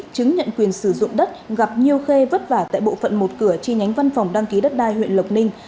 chứng nhận quyền sử dụng đất gặp nhiều khê vất vả tại bộ phận một cửa chi nhánh văn phòng đăng ký đất đai huyện lộc ninh